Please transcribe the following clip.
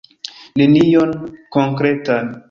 Nenion konkretan!